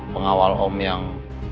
pengawal om yang